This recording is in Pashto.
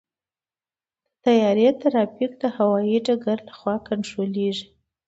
د طیارې ټرافیک د هوايي ډګر لخوا کنټرولېږي.